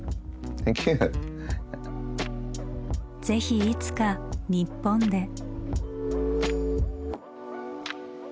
ぜひいつか日本で。